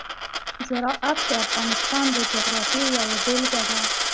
زراعت د افغانستان د جغرافیې یوه بېلګه ده.